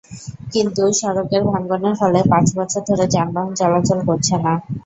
কিন্তু সড়কের ভাঙনের ফলে পাঁচ বছর ধরে যানবাহন চলাচল করছে না।